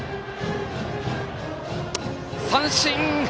三振！